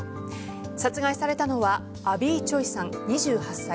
殺害されたのはアビー・チョイさん、２８歳。